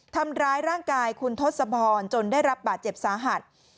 ทำร้ายร่างกายคุณทศพรจนได้รับบาดเจ็บสาหัส